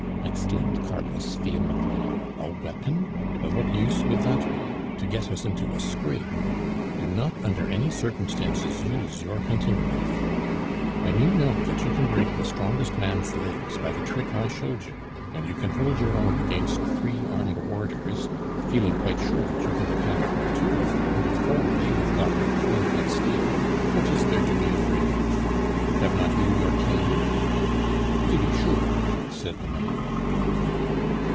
exclaimed Carlos vehemently. "A weapon? Of what use would that be? To get us into a scrape. Do not under any circumstances use your hunting knife. When you know that you can break the strongest man's legs by the trick I showed you when you can hold your own against three armed warders, feeling quite sure that you can account for two of them before they have got out flint and steel, what is there to be afraid of? Have not you your cane?" "To be sure," said the man.